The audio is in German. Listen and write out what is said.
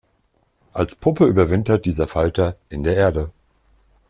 Als Puppe überwintert dieser Falter in der Erde.